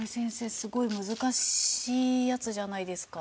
すごい難しいやつじゃないですか？